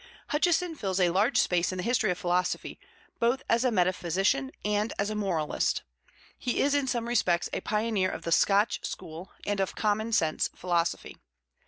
Hutcheson fills a large space in the history of philosophy, both as a metaphysician and as a moralist. He is in some respects a pioneer of the "Scotch school" and of "common sense" philosophy.